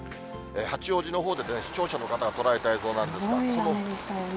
八王子のほうでね、視聴者の方が捉えた映像なんですが。